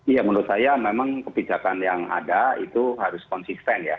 ya menurut saya memang kebijakan yang ada itu harus konsisten ya